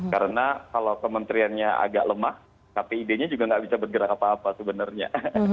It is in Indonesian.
karena kalau kementeriannya agak lemah kpid nya juga nggak bisa bergerak apa apa sebenarnya